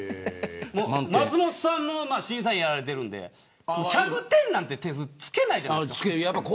松本さんも審査員やられているので１００点なんていう点数はつけないじゃないですか。